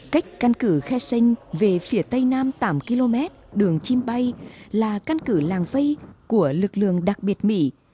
cách căn cứ khe xanh về phía tây nam tám km đường chim bay là căn cứ làng vây của lực lượng đặc biệt mỹ